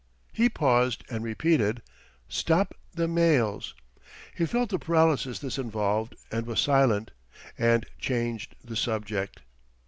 He paused and repeated: "Stop the mails." He felt the paralysis this involved and was silent, and changed the subject.